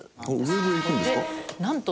ＷＥＢにいくんですか？